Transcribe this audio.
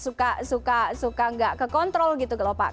kadang kadang kan juga suka suka suka nggak kekontrol gitu loh pak